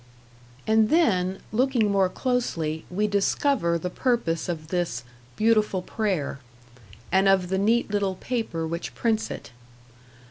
And then, looking more closely, we discover the purpose of this "beautiful prayer", and of the neat little paper which prints it.